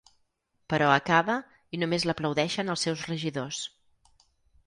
Però acaba i només l’aplaudeixen els seus regidors.